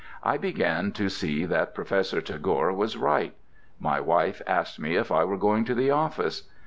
I began to see that Professor Tagore was right. My wife asked me if I was going to the office.